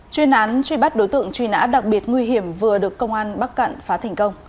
chuyên án truy bắt đối tượng truy nã đặc biệt nguy hiểm vừa được công an bắc cạn phá thành công